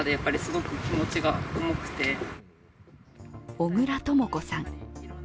小倉とも子さん。